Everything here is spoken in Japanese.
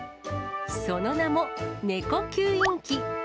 その名も猫吸引機。